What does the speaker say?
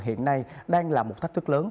hiện nay đang là một thách thức lớn